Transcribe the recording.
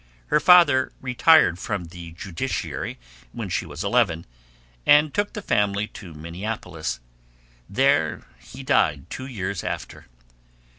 Her father retired from the judiciary when she was eleven, and took the family to Minneapolis. There he died, two years after.